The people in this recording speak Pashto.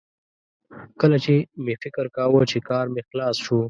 کله چې مې فکر کاوه چې کار مې خلاص شو